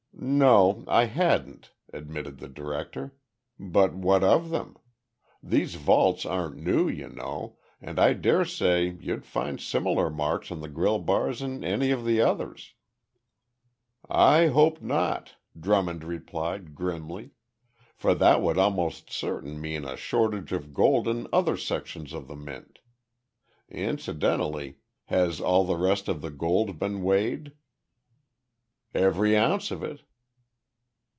"No, I hadn't," admitted the director. "But what of them? These vaults aren't new, you know, and I dare say you'd find similar marks on the grille bars in any of the others." "I hope not," Drummond replied, grimly, "for that would almost certainly mean a shortage of gold in other sections of the Mint. Incidentally, has all the rest of the gold been weighed?" "Every ounce of it."